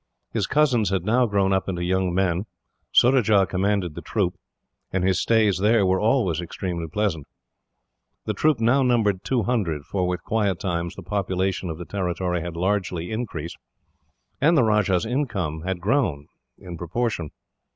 His cousins had now grown up into young men, Surajah commanded the troop, and his stays there were always extremely pleasant. The troop now numbered two hundred, for with quiet times the population of the territory had largely increased, and the Rajah's income grown in proportion.